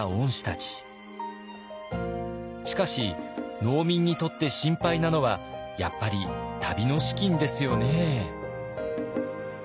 しかし農民にとって心配なのはやっぱり旅の資金ですよね。